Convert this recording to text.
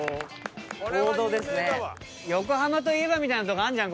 横浜といえばみたいなとこあるじゃん